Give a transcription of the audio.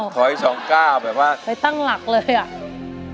๒๙ถอย๒๙แบบใอย่ตั้งหลักเลยอ่ะ